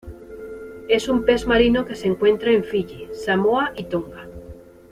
Es un pez marino que se encuentra en Fiyi, Samoa y Tonga.